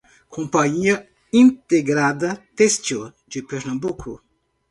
Companhia Integrada Têxtil de Pernambuco